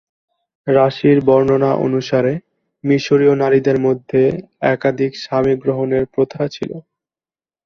রাশির বর্ণনা অনুসারে, মিশরীয় নারীদের মধ্যে একাধিক স্বামী গ্রহণের প্রথা ছিল।